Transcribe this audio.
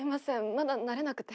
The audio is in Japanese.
まだ慣れなくて。